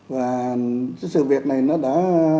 và sự việc này nó đã